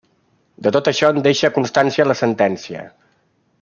De tot això en deixa constància la sentència.